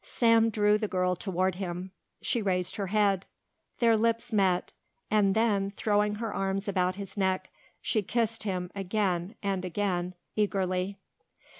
Sam drew the girl toward him. She raised her head. Their lips met, and then, throwing her arms about his neck, she kissed him again and again eagerly.